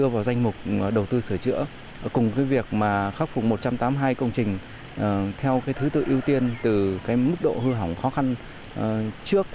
vào danh mục đầu tư sửa chữa cùng cái việc mà khắc phục một trăm tám mươi hai công trình theo cái thứ tự ưu tiên từ cái mức độ hư hỏng khó khăn trước